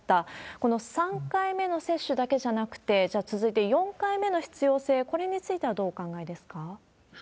この３回目の接種だけじゃなくて、じゃあ、続いて４回目の必要性、これについてはどうお考えですか？